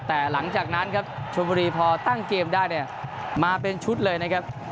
แต่หลังจากนั้นครับชวนบุรีพอตั้งเกมได้เนี่ยมาเป็นชุดเลยนะครับ